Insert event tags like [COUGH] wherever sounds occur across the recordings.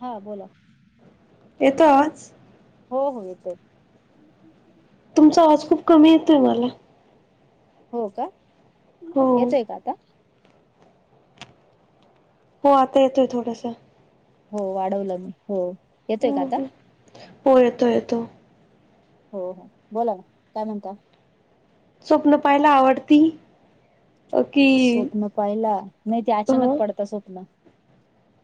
हां बोलां येतो आवांज हो हो येतोय हम्मं हमं तुमचां आवांज खूपचं कमी येतोय मलां हो कां हो येतोय कां आंता हो आंता येतोय थोडांसा हो वाढवलं मी हो येतोय कां आंता हो येतो येतो हो हो बोलां कायं म्हणतां स्वप्नं पाहांयला आवडते की स्वप्नं पाहिला नाहीं ते अचानक पडतं स्वप्नं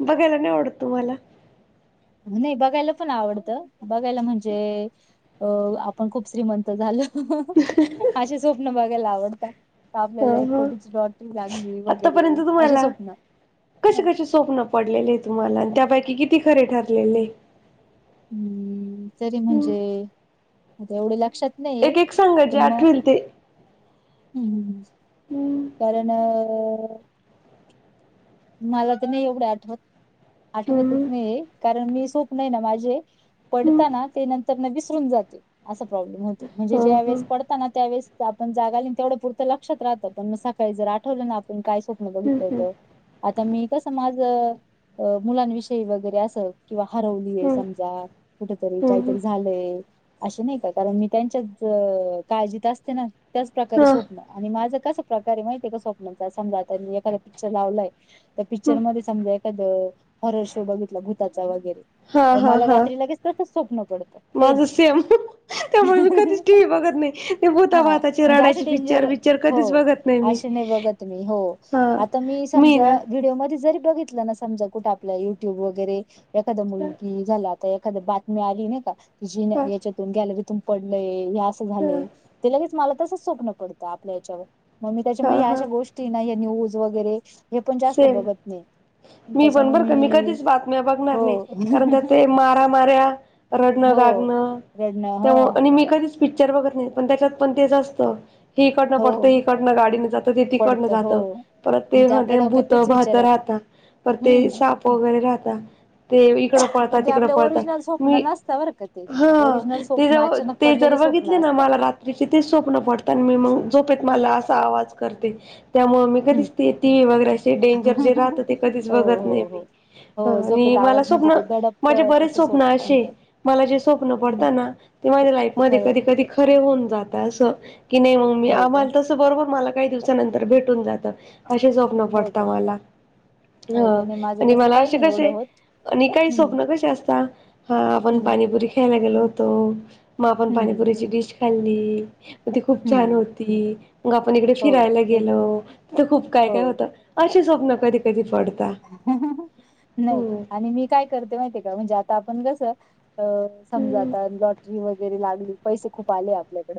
बघांयला नांय आवडतं तुम्हांले नाहीं बघांयला पणं आवडतं बघांयला म्हणजे अं आपणं खूंप श्रीमंत झालो हो असे स्वप्नं बघांयला आवडतांत ह आपल्यांला एक ह कोटीची लॉटरी लागली आतापर्यंत वगैरें असे तुम्हाला स्वप्नं कसे कसे स्वप्न पडलेले तुम्हांला त्यांपैकी किती खरे ठरलेले हम्मं तरी म्हणजे आंता एवढे लक्षांत नाहींय एक एक सांगा जे पं मंग आठवेल ते हम्मं हं ह कारणं अं मलां तरं नाहीं एवढे आठवतं आठवतं ह चं नाहीं कारणं मी स्वप्नं नाहीं नां माझे पडतांना ते नंतर विसरूंन जाते असां प्रॉब्लेम होतो ह म्हणजे ज्यां वेळेस ह पडं त्यांवेळेस आपणं जागां आली तेवढं पुरतं लक्षांत राहतं पणं मंग सकाळीं जरं आठवलं नां आपणं कायंत बघितलं ह ह होतं आंता मी कसं माझं मुलांविषयी वगैरें असं किं हरवली ह समजां कुठं तरी ह कांहींतरी झालं असं नाहीं कां कारणं मी त्यांच्या काळजीत असते नां त्यांचं प्रकारे ह स्वप्नं आणि माझं कसं प्रकारे आहे माहितीय कां स्वप्नांचा समजा आंता मी एखाद्या पिक्चर लावलंय तरं ह पिक्चरमध्ये समजां एखादं हॉरर शो बघितलां भूतांचा हा वगैरें हा मलां हा रात्री लगेच तसंच स्वप्नं पडतं सेम त्यामुळे मी कधीच टीव्ही बघत नाही ते भूता हां भाताचे म्हणजे असे रडायचे पिक्चर डेंजर बिक्चर हो कधीच बघत नाही मी असे नाहीं बघतं मी हो हा आंता मी समजां व्हिडिओमध्येजरी बघितलं नां समजां कुंठे आपलां युंट्यूब वगैरें एखादां मुलगी झालां आंता एखादं बातमी्या आलीं नाहीं कां ती जी हा यांच्यातून गे ते पडलंय हे असं झालंय ते लगेच मलां तसंच स्वप्नं पडतं आपल्या यांच्यावर मंग मी हा त्यांच्यामुळे हा अशा गोष्टी नां ह्यां न्यूंज वगैरें हे पंण जास्तं सेम बघतं नाहीं मी पणं बरं कां मी कधीचं बातम्यां बघणांनर नाहीं कारणं हो त्यां ते मारां मऱ्यां रडणं हो गागणं रडणं ते हो आणि मी कधीच पिक्चर्स बघतं नाहीं पणं त्यांच्यात पणं त्यांचं असतं हकडनं हो पडतं इकडनं गाडीनं जातं ते तिकडनं पडतं हो जातं परतणत मग तेणं आपल्या ते डोक्यात भूंत तेच भांत विचार येतात राहंता परं शाफ ते हम्म साप वगैरें राहता ते इकडं पळतांत पण ते तिकडं आपल्या ओरिजिनल पळतांत स्वप्न मी नसतं बरं का ते हां ओरिजिनल ते स्वप्न जं अचानक ते पडलेली जरं स्वप्न बघितले नां असतात मलां रात्री ते स्वप्नं पडतं आणि मी मं जोपेत मलां असां आवांज करते त्यांमुळे मी दि हम्म शेती वगैरें ते डेंजर जे राहतं ते कधीच हो बघत नाही हो हो मी अ हो आणि झोपेत मला आवाज म्हणजे स्वप्न ते दडपत माझे बरेच तसंच हो स्वप्न अशे म्हणतात मला जे स्वप्न हम्म, पडतं ना ते माझ्या लाईफ ते मध्ये खरं होत कधी-कधी खरे होऊन जात तास की नाही मग मी हो का आम्हाला तसं बरोबर मला काही दिवसानंतर भेटून जातं असे स्वप्न हो वटता का मला हो हा का नाही माझं आणि तसं मला काही अशे नाही एवढं कशे होत आणि काही हम्म स्वप्न कशी असतता हा आपण हम्म पाणीपुरी ख्यायला गेलो होतो म आपण हम्म हम्म पाणीपुरीची डिश खाल्ली म ती खूप हम्म छान हम्म. होती मग आपण इकडे हो फिरायला गेलो तिथं खूप काय हो काय होतं. अशी स्वप्न कधी कधी पड नाही आणि मी काय करते माहितेय का म्हणजे आता आपण कस अ समजा हम्म आता लॉटरी वगैरे लागली, पैसे खूप आले आपल्याकड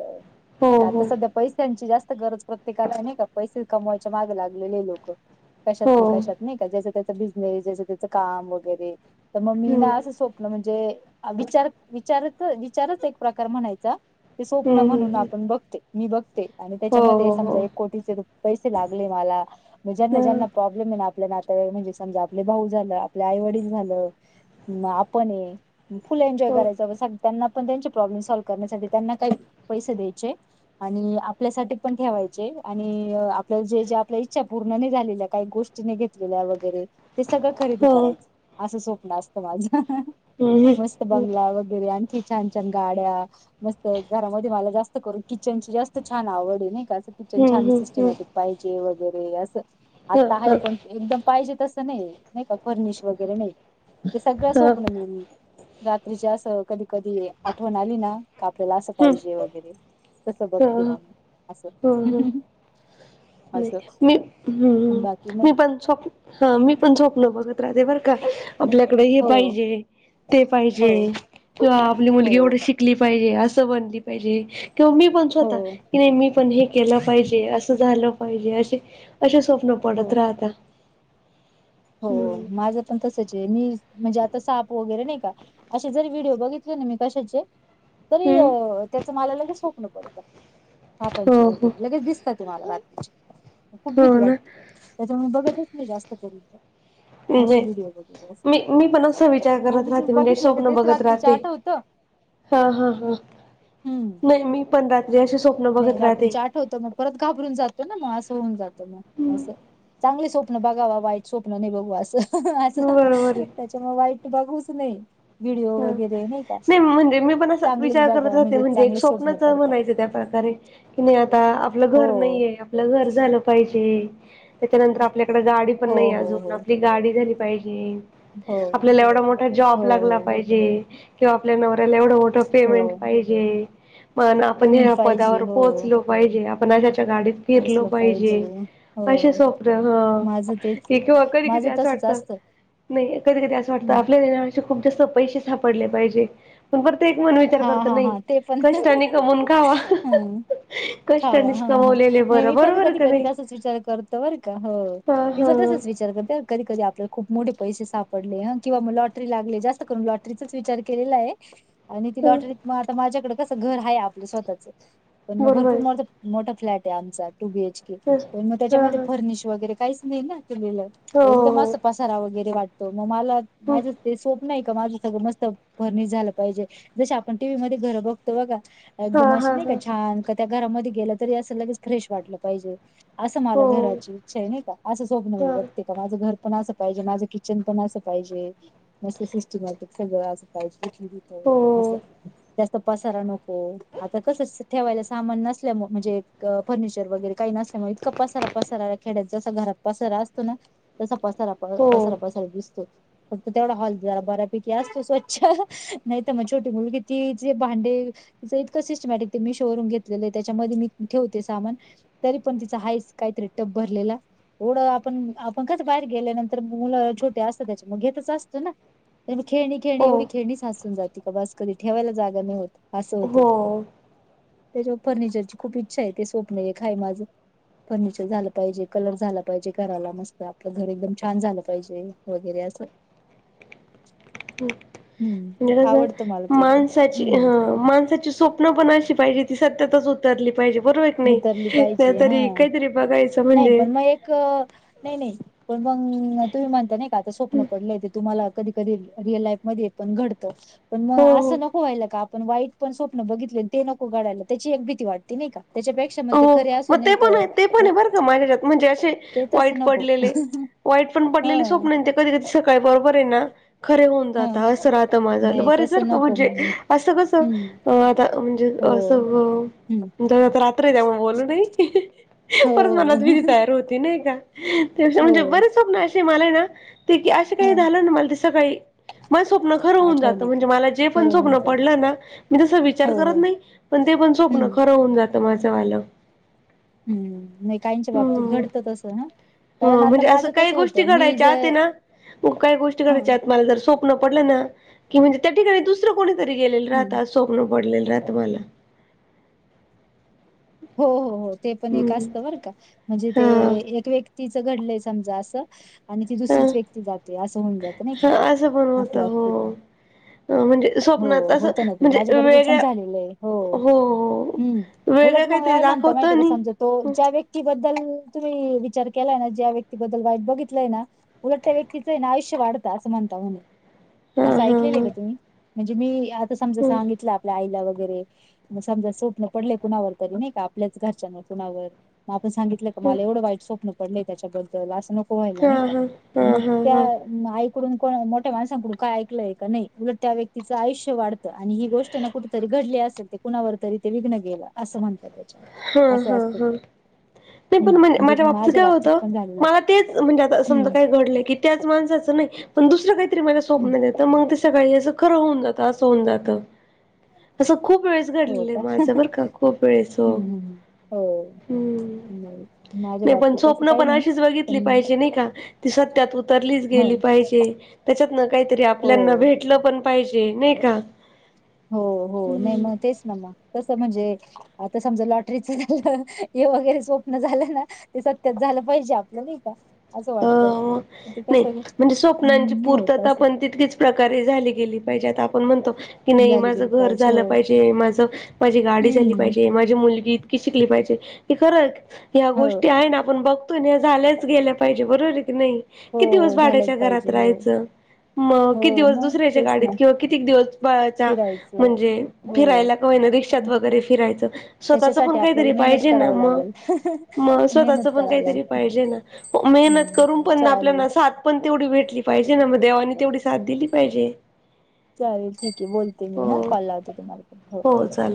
हो नाही का हो आता सध्या पैश्यांची जास्त गरज प्रत्येकाला आहे नाही का, पैसे कमवायच्या माग लागलेले लोक कशात हो ना कशात. नाही का, ज्याचा त्याचा बिजनेस, ज्याचं त्याच काम वगैरे तर मग मी हम्म ना अस सोप आपलं म्हणजे अ विचार विचारत विचारच एक प्रकार म्हणायचा ते स्वप्न हम्म म्हणून हम्म आपण बघते मी बघते आणि हो त्याच्यामध्ये हो हो समजा एक कोटीचे रूप पैसे लागले मला म ज्यांना हा ज्यांना प्रॉब्लेम हे ना आप आपल्या नाताव, म्हणजे समजा आपले भाऊ झालं, आपले आई-वडील झालं अन आपण हे फुल एन्जॉय हो करायचा व सांग त्यांना पण त्यांचे प्रॉब्लेम सॉल्व करण्यासाठी त्यांना काही पैसे द्यायचे आणि आपल्यासाठी पण ठेवायचे आणि आपल जे जे आपल्या इच्छा पूर्ण नाही झालेल्या काही गोष्टी तिने घेतलेल्या वगैरे ते सगळं खरेदी हो करायचं असं स्वप्न असत माझं. हम्म हम्म मस्त बंगला वगैरे आणखी छान छान गाड्या मस्त घरामध्ये मला जास्त करून किचनची जास्त छान आवड आहे नाय का किचन हम्म छान हम्म हम्म सिस्टमॅटिक पाहिजे वगैरे असं ह आता ह ह आहे पण एकदम पाहिजे तसं नाही, नाही का फर्निश वगैरे नाही ते सगळं स्वप्न मी रात्रीची असं कधी-कधी आठवण आली ना, का आपल्याला असं पाहिजे वगैरे तस बघते म अस. ह ह ह नाही, मी बाकी हम्म नाही मी पण स्वप, ह मी पण स्वप्न बघत राहते, बर का. आपल्याकडे हे हो पाहिजे, ते हो पाहिजे आपली हो मुलगी एवढी शिक ली पाहिजे अस बनली पाहिजे किंवा मी पण हो स्वतः की नाही मी पण हे केलं पाहिजे, असं झालं पाहिजे असे, असे स्वप्न पडत हो राहता. हो हम्म माझ पण तस चे मी म्हणजे आता साप वगैरे नाही का असे जर व्हिडिओ बघितले ना मी कशाचे तरी हम्म अ त्याच मला लगेच स्वप्न पडत, सापांचे हो हो वगैरे लगेच दिस ट ते मला रात्रीची, खूप हो भीती ना वाटते त्याच्यामुळे बघतच नाही जास्त करून असे णजे व्हिडिओ वगैरे असे मी, मी पण असा विचार मग करत उगीचच राहते म्हणजे बघितलं की स्वप्न तेच बघत रात्रीच राहते. आठवतं हा हा हा, हम्म नाही मी पण रात्री असे स्वप नाही रात्रीच्या आठवत मग परत घाबरून जातो ना मग असं होऊन जात मग हम्म अस. चांगले स्वप्न बघावा, वाईट स्वप्न नाही बघू असं. असं बरोबर आहे त्याच्यामुळे वाईट बघूच नये. ह नाही म्हणजे मी पण अस चांगलेच विचार करत बघाव राहते म्हणजे एक चांगले स्वप्न स्वप्नच अ पडतात म्हणायच ते आता अरे की नाही आता आपलं हो घर नाहीये, आपलं घर झालं पाहिजे. त्याच्यानंतर आपल्याकड गाडी पण हो नाही हो अजून, हो आपली गाडी झाली पाहिजे. हो आपल्याला एवढा मोठा जॉब हो लागला हो पाहिजे किंवा आपल्या नवऱ्याला एवढं मोठ तो पेमेंट हो पाहिजे पण आपण पेमेंट ह्या पदावर पाहिजे हो पोहोचलो पाहिजे. आपण अशाच्या गाडीत फिरलो पाहिजे, हो असे स्वप्न हं. माझं तेच आहे. हे किंवा कधी, कधी माझं असं तसच वाटत असतं नाही कधी कधी असं वाटतं, हम्म. आपल्याला [UNINTELLIGIBLE] पेक्षा खुप जास्त पैसे सापडले पाहिजे. पण पर ते एक मन विचार हा करत हा नाही, हा ते पण कष्टाने कमवून खावा. ह खावा. कष्टानेच हा, हा कमवलेले नाही बरं मी पण बरोबर कधी, का कधी नाही तसचं विचार करतो, बरं का. हो. हा मी हा पण तसाच विचार करते बरं कधी कधी आपल्याला खूप मोठे पैसे सापडले हं, किंवा मग लॉटरी लागली, जास्त करून लॉटरीचाच विचार केलेला आहे. आणि ती ह. लॉटरीत मग आता माझ्याकडे कसं घर आहे आपलं स्वतःचं. पण मग बरोबर भरपूर आहे माझ मोठा फ्लॅट आहे आमचा, टू बी एच केे. पण मग हा हा त्याच्यामध्ये हा फर्निश वगैरे काहीच नाही ना केलेल. एकदम हो अस पसारा वगैरे वाटतो. मग मला हो. ह माझ ते स्वप्न आहे का, माझं सगळं मस्त फर्निश झालं पाहिजे. जस आपण टी व्ही मध्ये घर बघतो बघा. एकदम हा असं हा नाही का हा छान. का त्या घरामध्ये गेलं तरी असं लगेच फ्रेश वाटलं पाहिजे. असं मला हो घराची इच्छा आहे नाही का. असं स्वप्न मी ह बघते. का माझं घर पण असं पाहिजे. माझं किचन पण असं पाहिजे. मस्त सिस्टमॅटिक सगळं असं पाहिजे. जिथले हो तिथं असं. जास्त पसारा नको. आता कसंच ठेवायला सामान नसल्यामु, म्हणजे फर्निचर वगैरे काही नसल्यामुळे, इतका पसारा पसारा खेड्यात जसा घरात पसारा असतो ना, तसा पसारा प हो पसारा हो पसारा दिसतो. फक्त तेवढा हॉल जरा बऱ्यापैकी असतो स्वच्छ नाही. त्या मग छोटी मुलगी ती जे भांडे तिच इतकं सिस्टमॅटिक ते मीशो वरून घेतलेले आ, हे त्याच्यामध्ये मी ठेवते सामान तरी पण तिचं आहेच काहीतरी टप भरलेला एवढं आपण, आपण कस बाहेर गेल्या नंतर मुलं छोटे असतात, त्याच्या मुळं घेतच असतो ना. आणि खेळणी खेळणी एवढी खेळणी साचून जाते का, बस कधी ठेवायला जागा नाही होत. असं होत. हो. त्याच्यामुळं फर्निचरची खूप इच्छा आहे. ते स्वप्न एक आहे माझं. फर्निचर झालं पाहिजे, कलर झाला पाहिजे घराला. मस्त आपलं घर एकदम छान झालं पाहिजे. वगैरे असं [INAUDIBLE] हम्म गरज आहे. आवडतं मला ते पण माणसाची हम्म हं माणसाची स्वप्न पण अशी पाहिजे, ते सत्यातच उतरली पाहिजे बरोबर नाही, उतरली पाहिजे नायतर हे काहीतरी बघायचं म्हणजे अं नाही, नाही पण मग तुम्ही म्हणता नाही का, आता स्वप्न पडलं ते तुम्हाला, कधी कधी रिअल लाईफ मध्ये पण घडतं. पण हो मग असं हो नको व्हायला का, आपण वाईट पण स्वप्न बघितले, ते नको घडायला. त्याची एक भीती वाटते नाही का. त्याच्यापे हो. मग ते पण आहे, ते पण आहे बरं का, माझ्या याच्यात म्हणजे असे ते तसं वाईट नको पडलेले. वाईट पण ह पडलेली स्वप्न, अन ते कधी, कधी सकाळी बरोबर आहे ना. खरे होऊन ह जातात. असं राहतं मनाला. नाही बरेच बरं तसं का नको म्हणजे मग असं कसं हम्म अं आता म्हणजेच हो असं अं हम्म जाऊ द्या, आता रात्र आहे. त्यामूळं बोलू नाही. हो परच मनात भिती तयार होते नाही का. त्याच्या म्हणजे हो बरेच स्वप्न असे मलाये ना ते की असं काही ह झालं ना, मला ते सकाळी माझ स्वप्न खरं होऊन जातंं. आठवले का म्हणजे मला जे पण खरं होऊन स्वप्न जात पडलं ना, मी तस विचार हो करत हो नाही. पण ते पण हम्म स्वप्न खरं होऊन जातं माझं वालं. हम्म. नाही काहीच्या बाबतीत घडतं तसं ह. हं म्हणजे असं, काही गोष्टी घडायच्या आत ना, खुप काही गोष्टी हं घडायच्या आत मला जर सोप स्वप्न पडलं ना, की म्हणजे त्या ठिकाणी दुसरं कोणीतरी गेलेलं हं राहतं, अस स्वप्न पडलेलं राहत मला. हो हो हो ते पण एक हम्म असतं बर का. म्हणजे ते हा एक व्यक्तीच घडलंय समजा असं आणि ती ह दुसरीच व्यक्ती जाते असं होऊन जात नाही का हा असं पण होत असं असंत ते. हो म्हणजे हो स्वप्नात असं होतं ना ते म्हणजे माझ्याबरोबर पण वेगळ्या झालेलं आहे हो हम्म, वेगळं तुम्हाला काहीतरी काय म्हणता दाखवत माहिती आहं का आणि समज तो ज्या हा व्यक्तीबद्दल तुम्ही विचार केलाय ना ज्या व्यक्तीबद्दल वाईट बघितलंय ना, उलट त्या व्यक्तीचं हे ना आयुष्य वाढतं असं म्हणता म्हणे. असं हा ऐकलेलं हा आहे का तुम्ही म्हणजे मी आता समजा ह सांगितलं आपल्या आईला वगैरे म समजा स्वप्न पडले कुणावर तरी नाही का आपल्याच घरच्या न कुणावर मग आपण सांगितलं का मला एवढं वाईट स्वप्न पडलंय त्याच्याबद्ल असं नको व्हायला हा नाही का हा हा मग हा त्या हा म अ आईकडून कोण मोठ्या माणसांकडून काय ऐकलंय का नाही उलट त्या व्यक्तीचं आयुष्य वाड आणि ही गोष्ट ना कुठंतरी घडली असेल ते कुणावर तरी ते विघ्न गेलं असं म्हण हा हा हा नाही हम्म पण म्हणजे माझ्या बाबतीत काय होतं पण झालेलं आहे. मला तेच म्हणजे आता समजा हम्म काय घडलं की त्याच माणसाच नाही पण दुसरं काहीतरी माझ्या हम्म स्वप्नात येत मगं सकाळी असं खरं होऊन जात, असं होऊन जातं. असं खूप वेळेस हो घडलेलं आहे का माझं बर का खूप वेळेस हो. हम्म हम्म हो हम्म. हम्म नाही पण स्वप्न पण अशीच पण बघितली पाहिजे नाही का ती सत्यात उतरलीच ह गेली पाहिजे त्याच्यातनं काहीतरी हो आपल्याना भेटलं पण पाहिजे नाही का? हो हो नाही हम्म. मग तेच ना मग तसं म्हणजे आता समजा लॉटरीच झालं हे वगैरे स्वप्न झालं ना. ते सत्यात झालं पाहिजे आपलं नाही का? असं अ वाटतं ते नाही कसं म्हणजे स्वप्नांची हम्म नाही होत पूर्तता असं पण तितकीच प्रकारे झाली गेली पाहिजे आता आपण म्हणतो. की नाही झाली माझं गेली घर पाहिजे झालं हो पाहिजे माझं माझी गाडी झाली हम्म पाहिजे माझी मुलगी शिकली पाहिजे खरंच ह्या हो गोष्टी आहे ना आपण बघतोय झाल्याच गेल्या पाहिजे बरोबर आहे की नाही हो किती दिवस झालंच भाड्याच्या घरात पाहिजे हो राहायचं. मग किती हो दिवस मग दुसऱ्याच्या तेच गाडीत ना किंवा किती दिवस बाळाचा फिरायचं म्हणजे हो फिरायला कावाई ना रिक्षात वगैरे फिरायचं. स्वतःच पण त्याच्यासाठी काहीतरी आपल्याला मेहनत पाहिजे ना कराव मग लागेल मग स्वतःच मेहनत पण करावी काहीतरी लागते पाहिजे ना. मेहनत हम्म करून पण चालेल आपल्याला सात पण तेवढी भेटली पाहिजे ना मग देवानी तेवढी साथ दिली पाहिजे. चालेल ठीक आहे बोलते मी हा हो कॉल लावते तुम्हाला हो ठीक आहे.